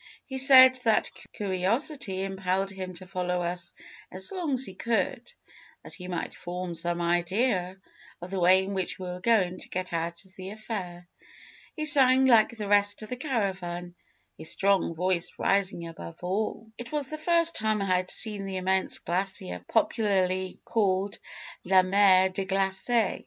He said that curiosity impelled him to follow us as long as he could, that he might form some idea of the way in which we were going to get out of the affair. He sang like the rest of the caravan, his strong voice rising above all. "It was the first time I had seen the immense glacier popularly called 'La Mer de Glace.'